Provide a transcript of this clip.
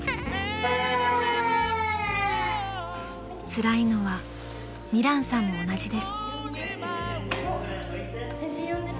［つらいのは美蘭さんも同じです］